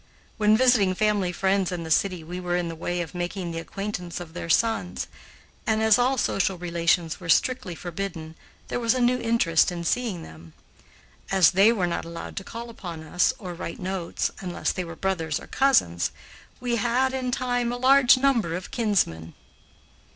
When visiting family friends in the city, we were in the way of making the acquaintance of their sons, and as all social relations were strictly forbidden, there was a new interest in seeing them. As they were not allowed to call upon us or write notes, unless they were brothers or cousins, we had, in time, a large number of kinsmen.